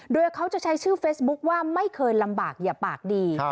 โดยเขาจะใช้ชื่อเฟซบุ๊คว่าไม่เคยลำบากอย่าปากดี